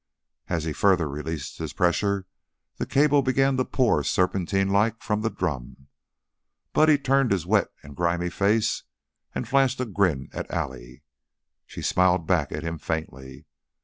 As he further released his pressure, the cable began to pour serpentlike from the drum. Buddy turned his wet, grimy face and flashed a grin at Allie. She smiled back at him faintly.